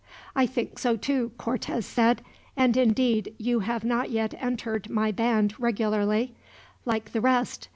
"I think so, too," Cortez said; "and indeed, you have not yet entered my band regularly, like the rest.